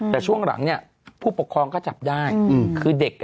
แต่ช่วงหลังเนี่ยผู้ปกครองก็จับได้คือเด็ก